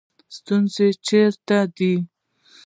ستونزه چېرته ده